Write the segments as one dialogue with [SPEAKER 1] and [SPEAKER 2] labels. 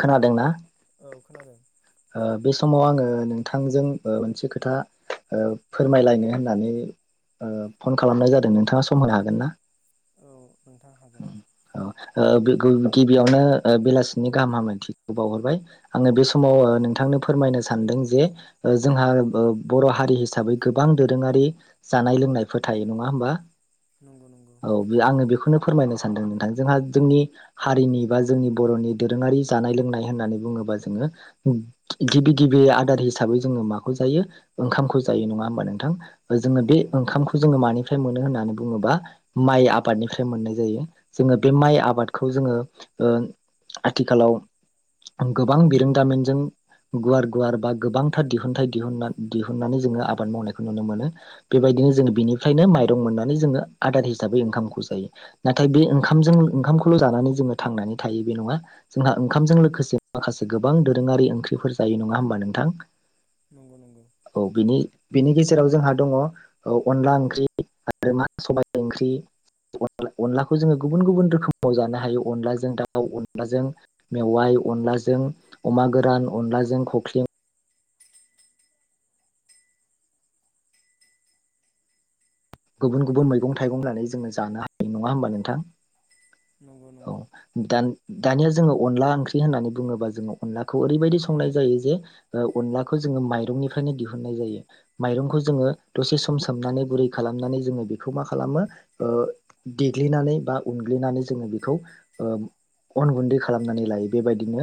[SPEAKER 1] खोनादोंना?
[SPEAKER 2] औ खोनादों।
[SPEAKER 1] आं बे समाव आङो ओ नोंथांजों ओ मोनसे खोथा ओ फोरमायलायनो होननानै ओ फन खालामनाय जादों नोंथाङा सम होनो हागोन ना?
[SPEAKER 2] औ नोंथां हागोन
[SPEAKER 1] औ ओ गिबियावनो बेलासिनि गाहाम हामलायथिखौ बावहरबाय आङो बे
[SPEAKER 2] औ
[SPEAKER 1] समाव
[SPEAKER 2] नोंथांनिसिम
[SPEAKER 1] नोंथांनो फोरमायनो सानदों जे जोंहा बर' हारि हिसाबै गोबां दोरोङारि जानाय लोंनायफोर थायो नङा होमबा
[SPEAKER 2] नंगौ नंगौ
[SPEAKER 1] औ बि आङो बेखौनो फोरमायनो सानदों नोंथां जोंहा जोंनि हारिनि बा जोंनि बर'नि दोरोङारि जानाय लोंनाय होननानै बुङोबा जोङो गिबि गिबि आदार हिसाबै जोङो माखौ जायो ओंखामखौ जायो नङा होमबा नोंथां जोङो बे
[SPEAKER 2] नंगौ नंगौ
[SPEAKER 1] ओंखामखौ जोङो मानिफ्राय मो नो होननानै बुङोबा माइ आबादनिफ्राय मोननाय जायो जोङो बे माइ आबादखौ जोङो ओ आथिखालाव गोबां बिरोंदामिनजों गुवार गुवार बा गोबांथार दिहुनथाइ दिहुनना दिहुननानै जोङो आबाद मावनायखौ नुनो मोनो बेबायदिनो जोङो बिनिफ्रायनो माइरं मोननानै जोङो आदार हिसाबै ओंखामखौ जायो। नाथाय बे ओंखामजों ओंखामखौल' जानानै जोङो थांनानै थायो बे नङा जोंहा ओंखामजों लोगोसे माखासे गोबां दोरोङारि ओंख्रिफोर जायो नङा होमबा नोंथां
[SPEAKER 2] नंगौ नंगौ
[SPEAKER 1] औ बिनि बेनि गेजेराव जोंहा दङ अनला ओंख्रि आरो मा सबाय ओंख्रि अनलाखौ जोङो गुबुन गुबुन रोखोमाव जानो हायो अनलाजों दाउ अनलाजों मेवाइ अनलाजों अमा गोरान अनलाजों खख्लिं गुबुन गुबुन
[SPEAKER 2] हेल
[SPEAKER 1] मैगं-थाइगं लानाय जोंङो जानो हायो नङा होमबा नोंथां
[SPEAKER 2] नंगौ नंगौ
[SPEAKER 1] औ दान दानिया जोङो अनला ओंख्रि होननानै बुङोबा जोङो अनलाखौ ओरैबायदि संनाय जायो जे अनलाखौ जोङो माइरंनिफ्रायनो दिहुननाय जायो माइरंखौ जोङो दसे सम सोमनानै गुरै खालामनानै जोङो बेखौ मा खालामो ओ देग्लिनानै बा उनग्लिनानै जोङो बेखौ अन गुन्दै खालामनानै लायो बेबायदिनो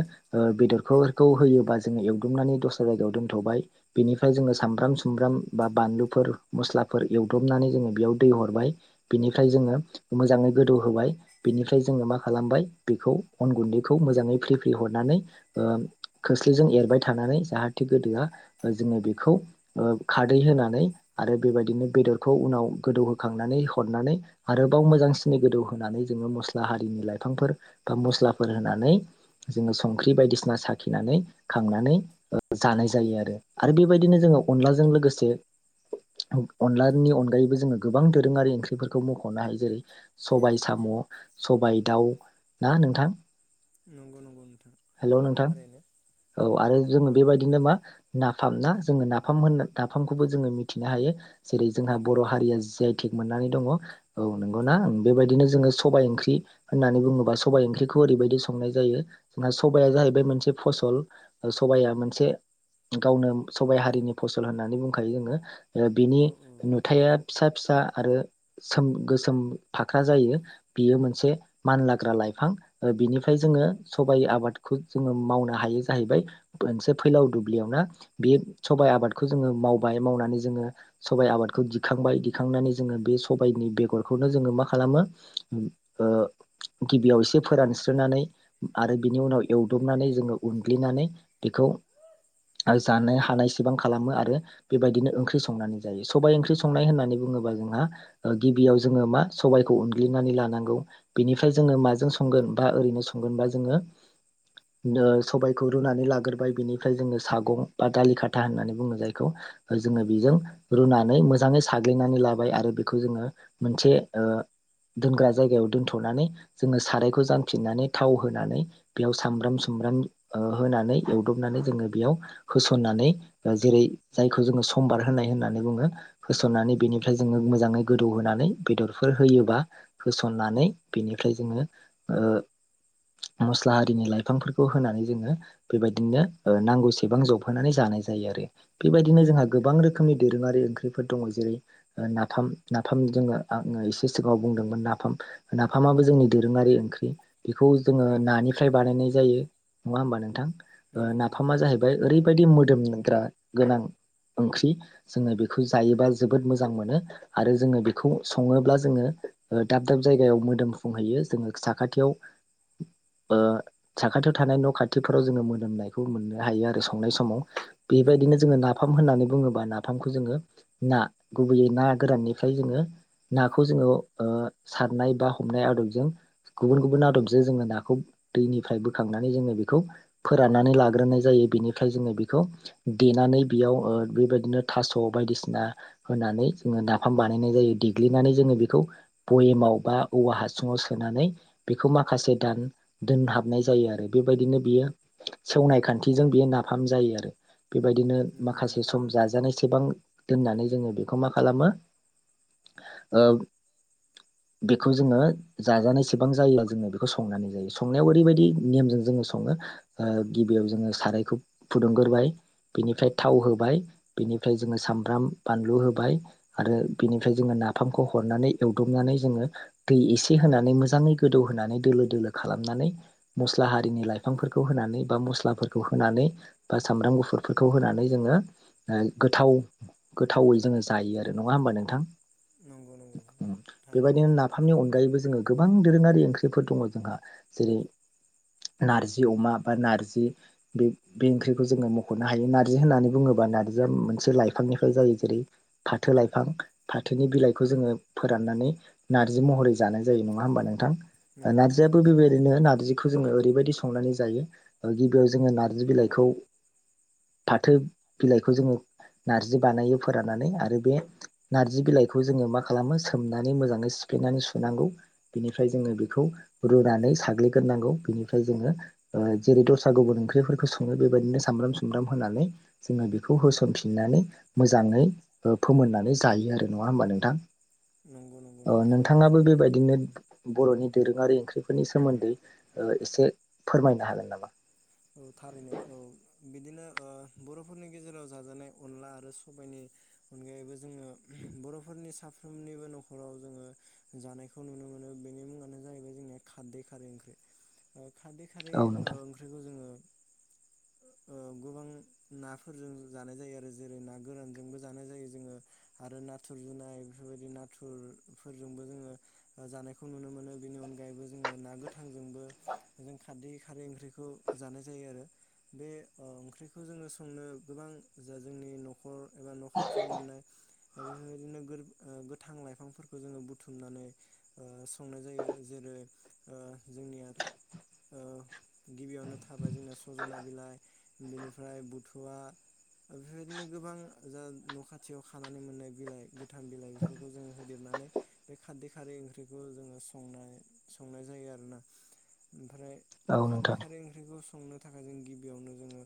[SPEAKER 1] बेदरफोरखौ होयोबा जोङो एवदुमनानै दस्रा जायगायाव दोनथ'बाय बेनिफ्राय जोङो सामब्राम सुमब्राम बा बानलुफोर मस्लाफोर एवद्रबनानै जोङो बेयाव दै हरबाय बिनिफ्राय जोङो मोजाङै गोदौ होबाय बेनिफ्राय जोङो मा खालामबाय बेखौ अन गुन्दैखौ मोजाङै फ्रि फ्रि हरनानै खोस्लिजों एरबाय थानानै जाहाथे गोदोआ जोङो बेखौ खारै होनानै आरो बेबायदिनो बेदरखौ उनाव गोदौहोखांनानै हरनानै आरोबाव मोजांसिनि गोदौहोनानै जोङो मस्ला हारिनि लाइफांफोर बा मस्लाफोर होनानै जोङो संख्रि बायदिसिना साखिनानै खांनानै जानाय जायो आरो आरो बेबायदिनो जोङो अनलाजों लोगोसे अनलानि अनगायैबो जोङो गोबां दोरोङारि ओंख्रिफोरखौ मख'नो हायो जेरै सबायाइ साम' सबायाइ दाउ ना नोंथां
[SPEAKER 2] नंगौ नंगौ नोंथां
[SPEAKER 1] हेल' नोंथां
[SPEAKER 2] थारैनो
[SPEAKER 1] औ आरो जोङो
[SPEAKER 2] औ
[SPEAKER 1] बेबायदिनोमा नाफाम ना जोङो नाफाम होन नाफामखौबो जोङो मिथिनो हायो। जेरै जोंहा
[SPEAKER 2] नंगौ
[SPEAKER 1] बर'
[SPEAKER 2] नंगौ
[SPEAKER 1] हारिया जेद थिग मोननानै दङ औ नंगौना बेबायदिनो जोङो सबाइ ओंख्रि होननानै बुङोबा सबाइ ओंख्रिखौ ओरैबायदि संनाय जायो जोंहा सबाया जाहैबाय मोनसे फसल सबाया मोनसे गावनो सबाइ हारिनि फसल होननानै बुंखायो जोङो
[SPEAKER 2] औ औ
[SPEAKER 1] -थाया फिसा फिसा आरो सोम गोसोम फाख्रा जायो बियो मोनसे मानलाग्रा लाइफां बिनिफ्राय जोङो सबाय आबादखौ जोङो मावनो हायो जाहैबाय मोनसे फैलाव दुब्लियावना बे सबायाइ आबादखौ जोङो मावबाय मावनानै जोङो सबाइ आबादखौ दिखांबाय दिखांनानै जोङो बे सबायाइनि बेगरखौनो जोङो मा खालामो ओ गिबियाव एसे फोरानस्रोनानै आरो बिनि उनाव एवदबनानै जोङो उनग्लिनानै बेखौ जानाय हानायसेबां खालामो आरो बेबायदिनो ओंख्रि संनानै जायो सबाय ओंख्रि संनाय होननानै बुङोबा जोंहा गिबियाव जोङो मा सबबायखौ उनग्लिनानै लानांगौ बेनिफ्राय जोङो माजों संगोन बा ओरैनो संगोन बा जोङो सबायाइखौ रुनानै लाग्रोबाय बिनिफ्राय जोङो सागं बा दालि खाथा होननानै बुङो जायखौ जोङो
[SPEAKER 2] नंगौ
[SPEAKER 1] बेजों
[SPEAKER 2] नंगौ
[SPEAKER 1] नानै मोजाङै साग्लिनानै लाबाय आरो बेखौ जोङो मोनसे दोनग्रा जायगायाव दोनथ नानै जोङो सारायखौ जांफिननानै थाव होनानै बेयाव सामब्राम सुमब्राम होनानै एवदबनानै जोङो बेयाव होसननानै जेरै जायखौ जोङो समबार होनाय होनना बुङो होसननानोय बेनिफ्राय जोङो मोजाङै गोदोव होनानोय बेदर फोर होयोबा होसननानोय बेनिफ्राय जोङो ओ मसलाआरिनि लायफांफोरखौ होनानोय ओ नांगौसेबां जफायनानोय जानाय जायो अरो बिबादिनो गोबां रोखोमनि दोरोङारि ओंख्रिफोर दङ जेरै नाफाम नाफाम जोङो एसे सिगाङाव बुंदोंमोन नाफाम नाफामाबो जोंनि दोरोङारि ओंख्रि बेखौ जोङो
[SPEAKER 2] औ औ
[SPEAKER 1] नानिफ्राय बानायनाय जायो। नङा होमबा नोंथां। ओ
[SPEAKER 2] नंगौ नंगौ
[SPEAKER 1] नाफामा जाहैबाय ओरैबायदि मो [unintelligible] गोनां ओंख्रि। जोङो बेखौ जायोबा जोबोद मोजां मोनो आरो जोङो बेखौ सङोब्ला जोङो दाब दाब जायगायाव मोदोमफुंहैयो जोङो साखाथियाव ओ साखाथियाव थानाय न खाथिफोराव जोङो मोदोमनायखौ मोननो हायो आरो संनाय समाव।
[SPEAKER 2] नंगौ
[SPEAKER 1] बेबायदिनो
[SPEAKER 2] नंगौ
[SPEAKER 1] जोङो नाफाम होननानै बुङो बा फामखौ जोङो ना गुबैयै ना गोराननिफ्राय जोङो नाखौ जोङो ओ सारनाय बा हमनाय आदबजों गुबुन गुबुन आदबजों जोङो नाखौ दैनिफ्राय बोखांनानै जोङो बेखौ फोराननानै लाग्रोनाय जायो बेनिफ्राय जोङो बेखौ देनानै बेयाव ओ बेबायदिनो थास' बायदिसिना होनानै जोङो नाफाम बानायनाय जायो देग्लिनानै जोङो बेखौ बयेमाव बा औवा हासुङाव सोनानै बेखौ माखासे दान दोनहाबनाय जायो आरो बेबायदिनो बियो सेवनाय खान्थिजों बियो नाफाम जायो आरो। बेबायदिनो
[SPEAKER 2] नंगौ
[SPEAKER 1] माखासे
[SPEAKER 2] नंगौ
[SPEAKER 1] सम जाजानाय। सेबां दोननानै जोङो बेखौ मा खालामो ओ बेखौ जोङो जाजानाय एसेबां जायो जोङो बेखौ संनानै जायो संनायाव ओरैबायदि नेमजों जोङो सङो ओ गिबियाव जोङो सारायखौ फुदुंगोरबाय बिनिफ्राय थाव होबाय। बेनिफ्राय जोङो सामब्राम बानलु होबाय आरो बिनिफ्राय जोङो नाफामखौ हरनानै एवदबनानै जोङो दै एसे होनानै मोजाङै गोदौहोनानै दोलो दोलो खालामनानै मस्ला हारिनि लाइफांफोरखौ होनानै बा मस्लाफोरखौ होनानै बा सामब्राम गुफुरफोरखौ होनानै जोङो। ओ गोथाव गोथावै जोङो जायो आरो नङा होमबा नोंथां।
[SPEAKER 2] नंगौ नंगौ थारैनो
[SPEAKER 1] बेबायदिनो नाफामनि गायैबो जोङो गोबां दोरोङारि ओंख्रिफोर दङ जोंहा जेरै नारजि अमा बा नारजि बे बे ओंख्रिखौ जोङो मखनो हायो नार्जि होननानै बुङोबा जिया मोनसे लाइफांनिफ्राय जायो जेरै फाथो लाइफां फाथोनि बिलाइखौ जोङो फोराननानै नार्जि महरै जानाय जायो नङा होमबा नोंथां।
[SPEAKER 2] नंगौ नंगौ नोंथां
[SPEAKER 1] [unintelligible] खौ जोंङो ओरैबायदि संनानै जायो ओ गिबिआव जोङो नारजि बिलायखौ फाथो बिलाइ खौ जोङो नारजि बानायो फोराननानै आरो बे नारजि बिलायखौ जोङो मा खालामो सोमनानै मोजाङै सिफ्लेनानै सुनांगौ बिनिफ्राय जोङो बिखौ रुनानै साग्लिगोरनांगौ बिनिफ्राय जोङो ओ जेरै दसरा गुबुन ओंख्रि फोरखौ संङो सामब्राम सुमब्राम होनानै जोङो खौ होसनफिननानै मोजाङै ओ फोमोननानै जायो आरो नङा होमबा नोंथां।
[SPEAKER 2] नंगौ नंगौ
[SPEAKER 1] अ
[SPEAKER 2] नोंथां
[SPEAKER 1] नोंथाङाबो
[SPEAKER 2] थारैनो
[SPEAKER 1] बेबायदिनो बर'नि दोरोङारि ओंख्रिफोरनि सोमोन्दै ओ एसे फोरमायनो हागोन नामा।
[SPEAKER 2] औ थारैनो औ बिदिनो ओ बर'फोरनि गेजेराव जाजानाय अनला आरो सबायनि अनगायैबो जोङो बर'फोरनि साफ्रोमनिबो नखराव जोङो जानायखौ नुनो मोनो बेनि मुङानो जाहैबाय जोंनिया खारदै खारै ओंख्रि खारदै खारै
[SPEAKER 1] औ
[SPEAKER 2] ओ
[SPEAKER 1] नोंथां
[SPEAKER 2] ओंख्रि जोङो ओ गोबां नाफोरजों जानाय जायो आरो जेरै ना गोरानजोंबो जानाय जायो जोङो आरो नाथुर जुनाय बेफोरबायदि नाथुरफोरजोंबो जोङो जानायखौ नुनो मोनो बेनि अनगायैबो जोङो ना गोथांजोंबो जों खारदै खारै ओंख्रिखौ। जानाय जायो आरो बे ओ ओंख्रिखौ जोङो संनो गोबां जा जोंनि नखर एबा न खाथियाव मोननाय बेफोरबायदिनो गोर ओ गोथां लाइफांफोरखौ जोङो बुथुमनानै ओ संनाय जायो जेरै ओ जोंनिया ओ थाबाय जोंना सजना बिलाइ बेनिफ्राय बुथुवा ओमफ्राय बेदिनो गोबां जा न' खाथियाव खानानै मोननाय बिलाइ थां बिलाइ बेफोरखौ जों हो लिरनानै बे खारदै खारै ओंख्रिखौ जोङो संनाय संनाय जायो आरोना। ओमफ्राय
[SPEAKER 1] औ
[SPEAKER 2] खारदै
[SPEAKER 1] नोंथां
[SPEAKER 2] खारै संनो थाखाय जों गिबियावनो जोङो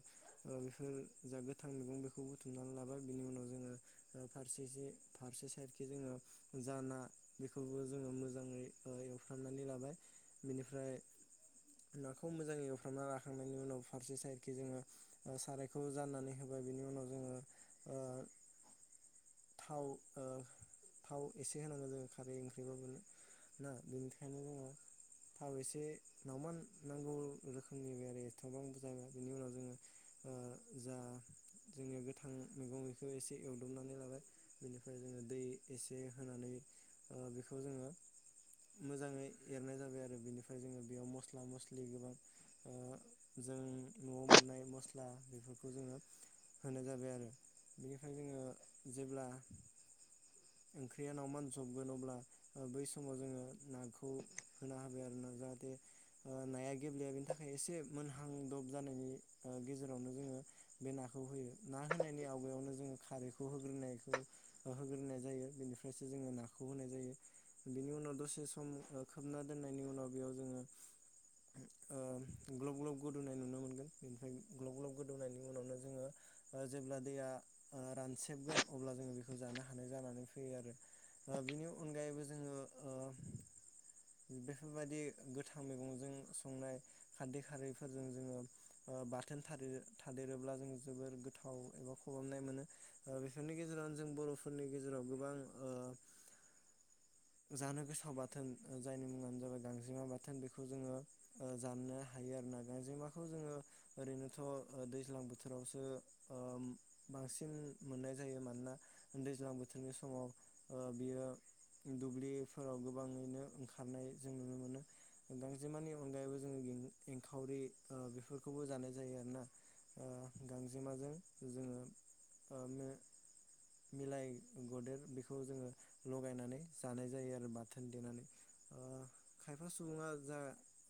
[SPEAKER 2] ओ बेफोर जा गोथां मैगं बेखौ बुथुमनानै लाबाय बेनि उनाव जोङो ओ फारसेसे फारसे साइडखो जोङो जा ना बेखौबो जोङो मोजाङै एवफ्रामनानै लाबाय बेनिफ्राय नाखौ मोजाङै खामना लाखांनायनि उनाव फारसे साइडखि जोङो सारायखौ जाननानै होबाय बिनि उनाव जोङो ओ थाव ओ थाव एसे होनांगौ जों खारै ओंख्रिबाबो ना बिनिखायनो जोङो थाव एसे [unintelligible] फुंनिफ्राय आरो एसेबां बुरजायबाय बिनि उनाव जोङो ओ जा जोंनि गोथां मैगं बेखौ एसे एवदबनानै लाबाय बिनिफ्राय जोङो दै एसे होनानै ओ बेखौ जोङो मोजाङै एरनाय जाबाय आरो बेनिफ्राय जोङो बेयाव मस्ला मस्लि गोबां ओ जों न'आव मोननाय मस्ला बेफोरखौ जोङो होनाय जाबाय आरो बेनिफ्राय जोङो जेब्ला ओंख्रिया नावमान जबगोन अब्ला बै समाव जोङो नाखौ होना हाबाय आरो ना जाहाथे नाया गेब्लेया बेनि थाखाय। थाखाय एसे मोनहांदब जानायनि ओ गेजेरावनो जोङो बे नाखौ होयो ना होनायनि आवगायावनो जोङो खारैखौ होग्रोनायखौ होग्रोनाय जायो बेनिफ्रायसो जोङो नाखौ होनाय जायो बेनि उनाव दसे सम खोबना दोननायनि उनाव बेयाव जोङो ओ ग्लब ग्लब गोदौनाय नुनो मोनगोन बेनिफ्राय ग्लब ग्लब गोदौनायनि उनावनो जोङो ओ जेब्ला दैया ओ रानसेबगोन अब्ला जोङो बेखौ जानो हानाय जानानै फैयो आरो ओ बेनि अनगायैबो जोङो ओ बेफोरबायदि गोथां मैगंजों संनाय खारदै खारैफोरजों जोङो ओ बाथोना [unintelligible] थादेरोब्ला जों जोबोर गोथाव एबा खवहाबनाय मोनो बेफोरनि गेजेरावनो जों बर'फोरनि गेजेराव गोबां ओ जानो गोथाव बाथोन जायनि मुङानो जाबाय गांजेमा बाथोन बेखौ जोङो ओ जानो हायो आरोना। गांजेमाखौ जोङो ओरैनोथ' ओ दैज्लां बोथोरावसो ओ बांसिन मोननाय जायो। मानोना दैज्लां बोथोरनि समाव ओ बियो दुब्लिफोराव गोबाङैनो ओंखारनाय जों नुनो मोनो। गांजेमानि अनगायैबो जोङो [inaudible] एंखावरि बेफोरखौबो जानाय जायो आरोना। ओ गांजेमाजों जोङो मिलाय गदेर बेखौ जोङो लगायनानै जानाय जायो आरो बाथोन देनानै ओ खायफा सुबुङा जा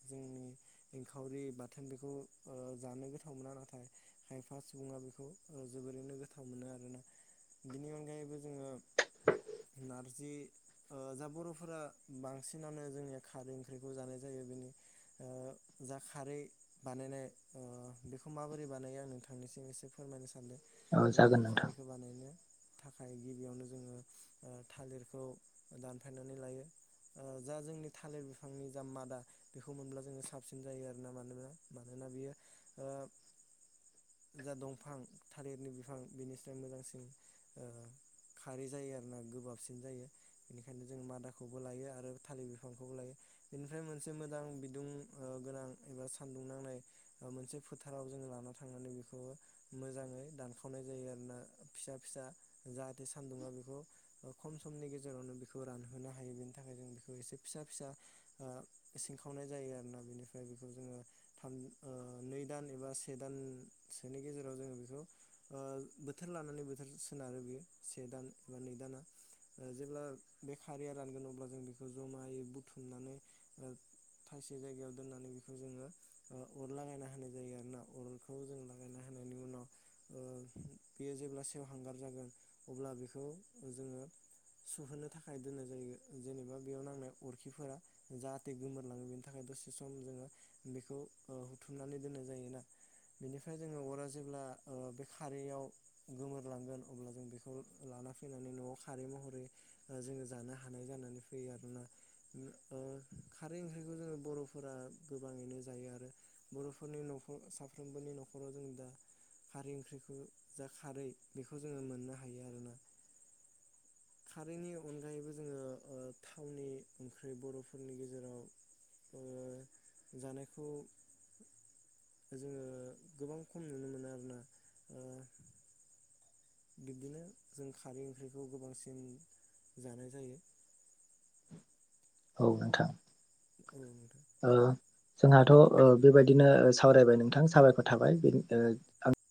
[SPEAKER 2] जोंनि एंखावरि बाथोन बेखौ ओ जानो गोथाव मोना नाथाय खायफा सुबुङा बेखौ ओ जोबोरैनो गोथाव मोनो आरोना। बिनि अनगायैबो जोङो नारजि जा बर'फोरा बांसिनानो जोंनिया खारै ओंख्रिखौ जानाय जायो बेनि ओ जा खारै बानायनाय ओ बेखौ माबोरै बानायो आं नोंथांनिसिम एसे फोरमायनो सानदों
[SPEAKER 1] औ
[SPEAKER 2] जोंनिया
[SPEAKER 1] जागोन नोंथां
[SPEAKER 2] खारैखौ बानायनो थाखाय गिबियावनो जोङो ओ थालिरखौ दानफायनानै लायो। ओ जा जोंनि थालिर बिफांनि जा मादा बेखौ मोनब्ला जोङो साबसिन सिन जायो आरोना। मानोना मानोना बियो ओ जा दंफां थालिरनि बिफां बिनिफ्राय मोजांसिन ओ खारै जायो आरोना गोबाबसिन जायो बेनिखायनो जों मादाखौबो लायो आरो थालिर बिफांखौबो लायो बेनिफ्राय मोनसे मोजां बिदुं गोनां एबा सान्दुं नांनाय मोनसे फोथाराव जों लाना थांनानै बेखौ मोजाङै दानखावनाय जायो आरोना फिसा फिसा जाहाथे सानदुंङा बेखौ खम समनि गेजेरावनो बेखौ रानहोनो हायो बेनि थाखाय जों बेखौ एसे फिसा फिसा ओ सिनखावनाय जायो आरोना। बेनिफ्राय बेखौ जोङो थाम नै दान एबा से दानसोनि गेजेराव जोङो बेखौ ओ बोथोर लानानै बोथोर सोनारो बेयो से दान एबा नै दाना जेब्ला बे खारिया रानगोन अब्ला जों बेखौ जमायै बुथुमनानै ओ थाइसे जायगायाव दोनानै बेखौ जोङो ओ अर लागायना होनाय जायो आरोना। अरखौ जों लागायना होनायनि उनाव ओ बेयो जेब्ला सेवहांगार जागोन अब्ला बेखौ जोङो सुहोनो थाखाय दोननाय जायो जेनेबा बेयाव नांनाय अरखिफोरा जाहाथे गोमोरलाङो बेनि थाखाय दसे सम जोङो बेखौ हुथुमनानै दोननाय जायोना। बेनिफ्राय जोङो अरा जेब्ला ओ बे खारैयाव गोमोरलांगोन अब्ला जों बेखौ लाना फैनानै न'आव खारै महरै जोङो जानो हानाय जानानै फैयो आरोना ओ खारै ओंख्रिखौ जोङो बर' फोर गोबाङैनो जायो आरो बर'फोरनि न'खर साफ्रोमबोनि न'खराव जों दा खारै ओंख्रिखौ जा खारै बेखौ जोङो मोननो हायो आरोना। खारैनि अनगायैबो जोङो ओ थावनि ओंख्रि बर'फोरनि गेजेराव ओ जानायखौ जोङो ओ गोबां खम नुनो मोनो आरोना ओ। बिब्दिनो जों खारै ओंख्रिखौ गोबांसिन जानाय जायो।
[SPEAKER 1] औ नोंथां।
[SPEAKER 2] औ नोंथां। [inaudible]
[SPEAKER 1] ओ जोंहाथ' ओ बेबायदिनो सावरायबाय नोंथां साबायखर थाबाय बे ओ आं